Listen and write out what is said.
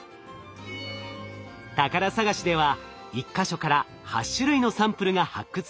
宝探しでは１か所から８種類のサンプルが発掘されました。